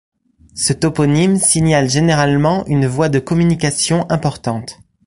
Ce toponyme signale généralement une voie de communication importante.